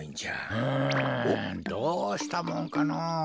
うんどうしたもんかのぉ。